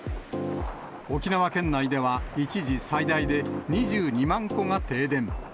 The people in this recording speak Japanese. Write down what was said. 沖縄県内では一時、最大で２２万戸が停電。